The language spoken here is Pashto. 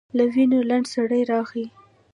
له ونې لنډ سړی راغی.